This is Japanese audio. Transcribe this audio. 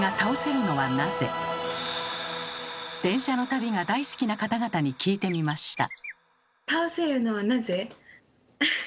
電車の旅が大好きな方々に聞いてみました。